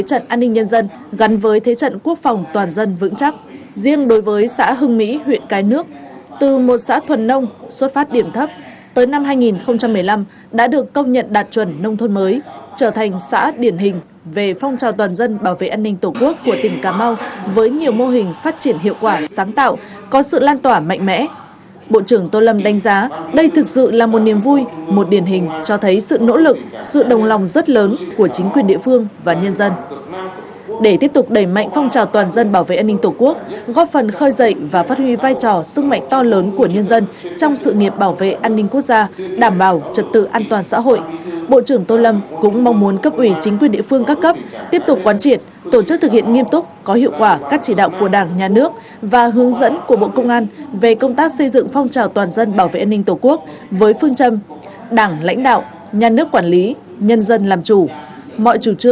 để tiếp tục đẩy mạnh phong trào toàn dân bảo vệ an ninh tổ quốc góp phần khơi dậy và phát huy vai trò sức mạnh to lớn của nhân dân trong sự nghiệp bảo vệ an ninh quốc gia đảm bảo trật tự an toàn xã hội bộ trưởng tôn lâm cũng mong muốn cấp ủy chính quyền địa phương các cấp tiếp tục quán triển tổ chức thực hiện nghiêm túc có hiệu quả các chỉ đạo của đảng nhà nước và hướng dẫn của bộ công an về công tác xây dựng phong trào toàn dân bảo vệ an ninh tổ quốc với phương châm đảng lãnh đạo nhà nước quản lý nhân dân làm chủ m